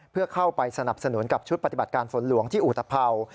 เพื่อเข้าไปสนับสนุนกับชุดปฏิบัติการฝนหลวงที่อุตภัวร์